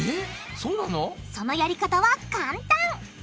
そのやり方は簡単。